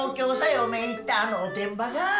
嫁いったあのおてんばか。